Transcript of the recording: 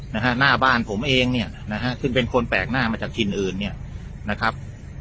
นะฮะหน้าบ้านผมเองเนี่ยนะฮะซึ่งเป็นคนแปลกหน้ามาจากถิ่นอื่นเนี่ยนะครับ